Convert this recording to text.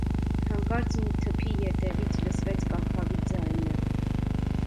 Հանկարծ մի թփի հետևից լսվեց կաքավի ձայնը.